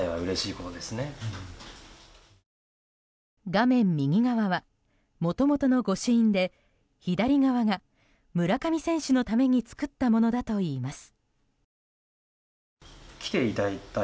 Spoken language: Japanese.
画面右側はもともとの御朱印で左側が村上選手のために作ったものだといいます。